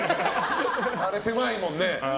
あれ、狭いもんね。